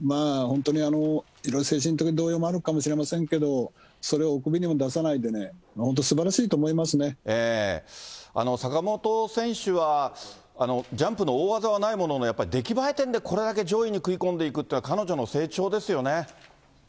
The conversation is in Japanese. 本当にいろいろ精神的な動揺もあるかもしれませんけれども、それをおくびにも出さないでね、本当、坂本選手は、ジャンプの大技はないものの、やっぱり出来栄え点で、これだけ上位に食い込んでいくというのは、彼女の成長ですよね。